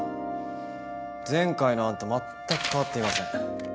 前回の案と全く変わっていません。